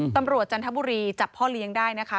จันทบุรีจับพ่อเลี้ยงได้นะคะ